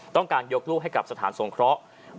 ต้องการยกลูกให้กับสถานสงเคราะห์